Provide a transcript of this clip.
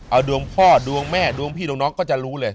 เอาดวงพ่อดวงแม่ดวงพี่ดวงน้องก็จะรู้เลย